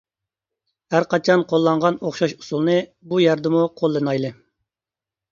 ھەر قاچان قوللانغان ئوخشاش ئۇسۇلنى بۇ يەردىمۇ قوللىنايلى.